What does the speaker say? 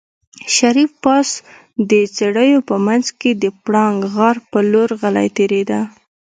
شريف پاس د څېړيو په منځ کې د پړانګ غار په لور غلی تېرېده.